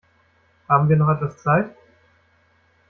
Haben wir noch etwas Zeit?